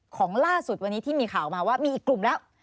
ของล่าสุดวันนี้ที่มีข่าวมาว่ามีอีกกลุ่มแล้ว